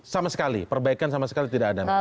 sama sekali perbaikan sama sekali tidak ada